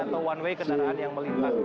atau one way kendaraan yang melintas